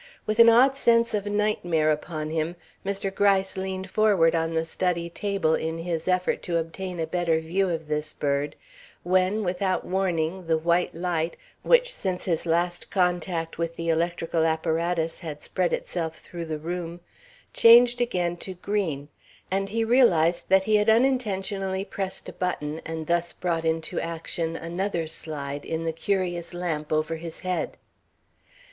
With an odd sense of nightmare upon him, Mr. Gryce leaned forward on the study table in his effort to obtain a better view of this bird, when, without warning, the white light, which since his last contact with the electrical apparatus had spread itself through the room, changed again to green, and he realized that he had unintentionally pressed a button and thus brought into action another slide in the curious lamp over his head.